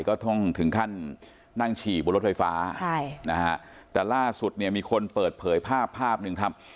ก็ต้องถึงขั้นนั่งฉี่บนรถไฟฟ้าใช่นะฮะแต่ล่าสุดเนี่ยมีคนเปิดเผยภาพภาพหนึ่งครับ